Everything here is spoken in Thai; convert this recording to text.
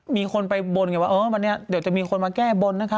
มีคนไปบนอย่างนี้ว่าวันนี้เดี๋ยวจะมีคนมาแก้บนนะคะ